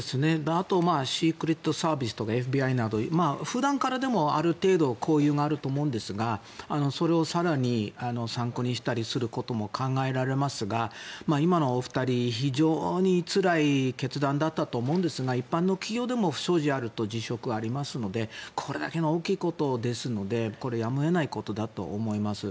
あとシークレットサービスとかＦＢＩなど普段からでもある程度、交流があると思うんですがそれを更に参考にしたりすることも考えられますが今のお二人、非常につらい決断だったと思うんですが一般の企業でも不祥事があると辞職、ありますのでこれだけの大きいことですのでこれはやむを得ないことだと思います。